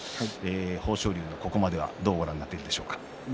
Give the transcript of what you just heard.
豊昇龍のここまではどうご覧になっているでしょうか。